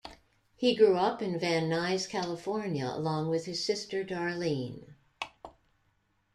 He grew up in Van Nuys, California along with his sister Darlene.